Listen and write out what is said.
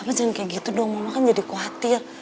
bapak jangan kayak gitu dong bapak kan jadi khawatir